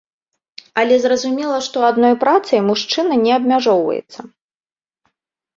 Але зразумела, што адной працай мужчына не абмяжоўваецца.